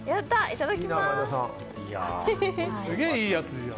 いただきます。